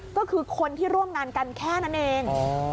ก็คือคนที่ร่วมงานกันแค่นั้นเอง